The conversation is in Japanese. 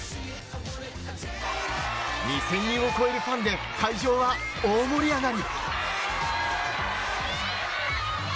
２０００人を超えるファンで会場は大盛り上がり。